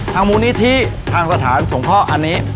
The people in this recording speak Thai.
ทางมูลนิธิทางสถานสงครอบครัวอันนี้